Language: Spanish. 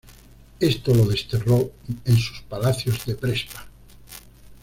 Esto lo desterró en sus palacios de Prespa.